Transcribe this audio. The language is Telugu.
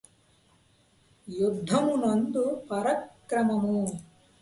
యుద్ధము నందు పరాక్రమము